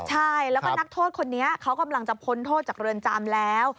ใช่แล้วก็นักโทษคนนี้เขากำลังจะพ้นโทษจากเรือนจำแล้ว